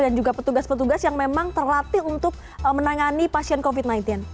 dan juga petugas petugas yang memang terlatih untuk menangani pasien covid sembilan belas